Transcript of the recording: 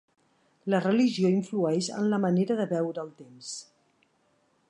La religió influeix en la manera de veure el temps.